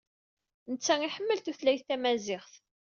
Netta iḥemmel tutlayt tamaziɣt.